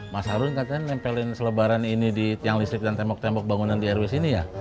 mas harun katanya nempelin selebaran ini di tiang listrik dan tembok tembok bangunan di rw sini ya